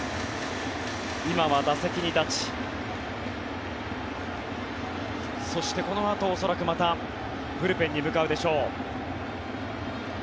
今は打席に立ちそしてこのあと恐らくまたブルペンに向かうでしょう。